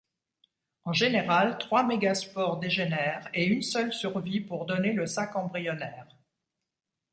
En général, trois mégaspores dégénèrent et une seule survit pour donner le sac embryonnaire.